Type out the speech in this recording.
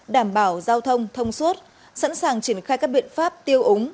đảm bảo giao thông thông suốt sẵn sàng triển khai các biện pháp tiêu úng